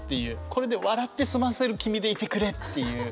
これで笑って済ませる君でいてくれっていう。